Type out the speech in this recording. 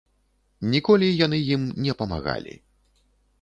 Ніколі яны ім не памагалі.